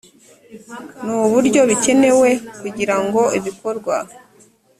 n uburyo bikenewe kugira ngo ibikorwa